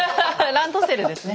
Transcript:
ランドセルですね。